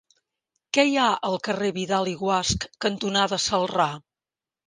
Què hi ha al carrer Vidal i Guasch cantonada Celrà?